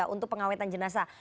untuk pengawetan jenazah